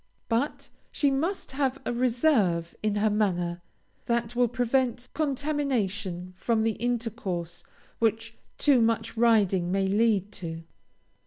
But she must have a reserve in her manner, that will prevent contamination from the intercourse which too much riding may lead to.